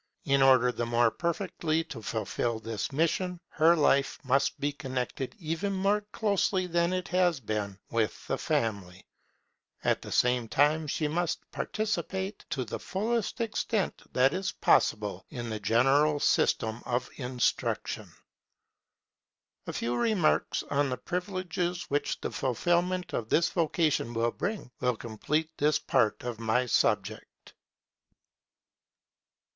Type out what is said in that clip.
In order the more perfectly to fulfil this mission, her life must be connected even more closely than it has been with the Family. At the same time she must participate, to the full extent that is possible, in the general system of instruction. [Women's privileges. Their mission is in itself a privilege] A few remarks on the privileges which the fulfilment of this vocation will bring, will complete this part of my subject.